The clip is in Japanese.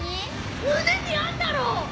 胸にあんだろ！